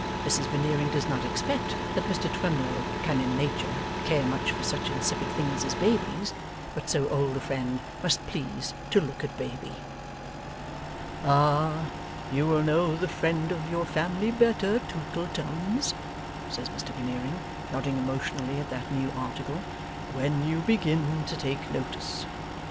Mrs Veneering does not expect that Mr Twemlow can in nature care much for such insipid things as babies, but so old a friend must please to look at baby. 'Ah! You will know the friend of your family better, Tootleums,' says Mr Veneering, nodding emotionally at that new article, 'when you begin to take notice.